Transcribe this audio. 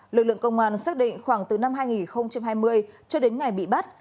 lực lượng công an xác định khoảng từ năm hai nghìn hai mươi cho đến ngày bị bắt